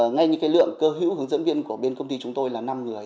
ngay như lượng cơ hữu hướng dẫn viên của bên công ty chúng tôi là năm người